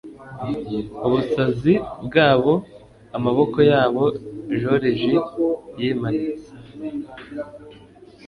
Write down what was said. ubusazi bwabo amaboko yabo joriji yimanitse